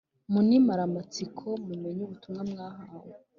munimare amatsiko mumenye ubutumwa mwahawe